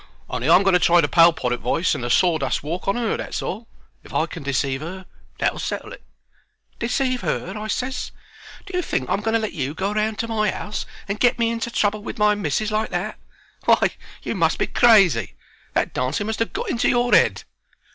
Only I'm going to try the poll parrot voice and the sawdust walk on her, that's all. If I can deceive 'er that'll settle it." "Deceive her?" I ses. "Do you think I'm going to let you go round to my 'ouse and get me into trouble with the missis like that? Why, you must be crazy; that dancing must 'ave got into your 'ead."